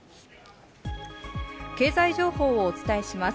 経済情報をお伝えします。